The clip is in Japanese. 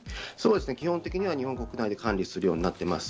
基本的には日本国内で管理するようになっています。